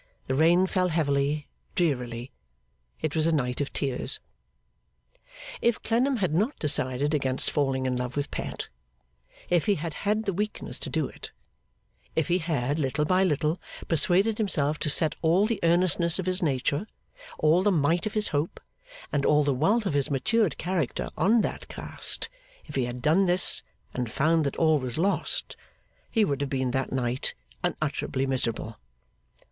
The rain fell heavily, drearily. It was a night of tears. If Clennam had not decided against falling in love with Pet; if he had had the weakness to do it; if he had, little by little, persuaded himself to set all the earnestness of his nature, all the might of his hope, and all the wealth of his matured character, on that cast; if he had done this and found that all was lost; he would have been, that night, unutterably miserable.